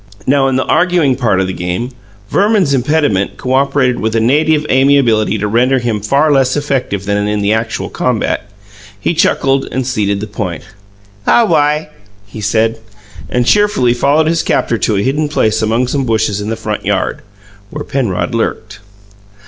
Now, in the arguing part of the game, Verman's impediment cooperated with a native amiability to render him far less effective than in the actual combat. He chuckled, and ceded the point. "Aw wi," he said, and cheerfully followed his captor to a hidden place among some bushes in the front yard, where Penrod lurked.